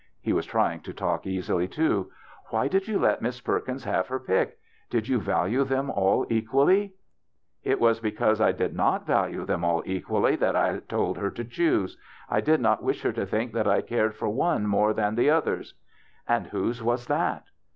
He was trying to talk easily too. " Why did you let Miss Perkins have her pick? Did you value them all equally ?"" It was because I did not value them all equally that I told her to choose. I did not Tvish her to think that I cared for one more than the others." " And whose was that